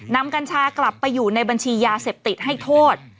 กัญชากลับไปอยู่ในบัญชียาเสพติดให้โทษ